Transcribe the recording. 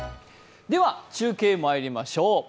では中継まいりましょう。